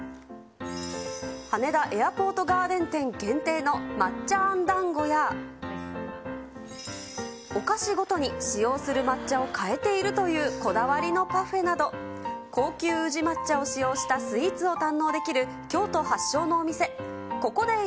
羽田エアポートガーデン店限定の抹茶あんだんごや、お菓子ごとに使用する抹茶を変えているというこだわりのパフェなど、高級宇治抹茶を使用したスイーツを堪能できる京都発祥のお店。